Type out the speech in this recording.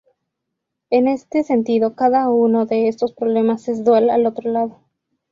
En este sentido, cada uno de estos problemas es dual al otro.